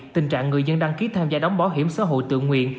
tình trạng người dân đăng ký tham gia đóng bảo hiểm xã hội tự nguyện